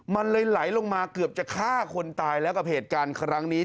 มันเลยไหลลงมาเกือบจะฆ่าคนตายแล้วกับเหตุการณ์ครั้งนี้